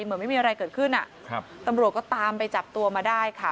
เหมือนไม่มีอะไรเกิดขึ้นอ่ะครับตำรวจก็ตามไปจับตัวมาได้ค่ะ